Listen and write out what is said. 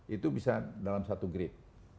itu bisa dalam satu grade